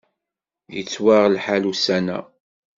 Yettwaɣ lḥal ussan-a.